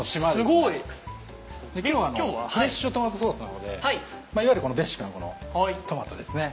すごい！今日はフレッシュトマトソースなのでいわゆるこのベーシックなトマトですね。